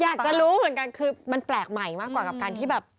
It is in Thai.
อยากจะรู้เหมือนกันคือมันแปลกใหม่มากกว่ากับการที่แบบ